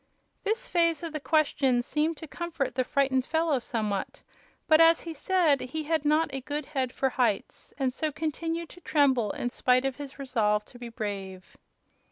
This phase of the question seemed to comfort the frightened fellow somewhat; but, as he said, he had not a good head for heights, and so continued to tremble in spite of his resolve to be brave.